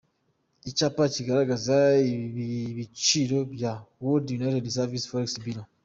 Icyapa kigaragaza ibiciro bya World united services forex bureau.